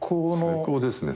最高ですね